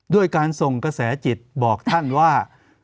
ด้วยการส่งกระแสจิตบอกท่านว่า